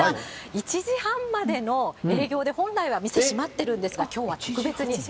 １時半までの営業で、本来は店閉まってるんですが、きょうは特別に。